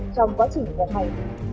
trong quá trình vận hành